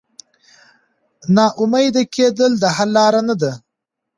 نا امیده کېدل د حل لاره نه ده.